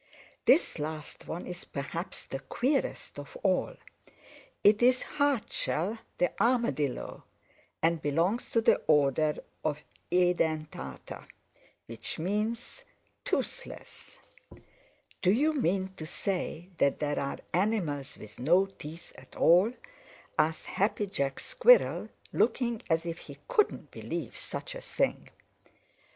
This last one is perhaps the queerest of all. It is Hardshell the Armadillo, and belongs to the order of Edentata, which means toothless." "Do you men to say that there are animals with no teeth at all?" asked Happy Jack Squirrel, looking as if he couldn't believe such a thing.